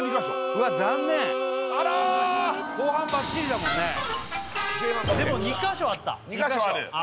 うわっ残念あら後半バッチリだもんねでも２カ所あった２カ所ある？